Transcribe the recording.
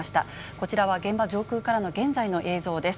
こちらは現場上空からの現在の映像です。